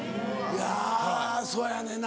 いやそやねんな。